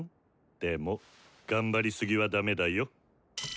でも頑張りすぎは駄目だよ！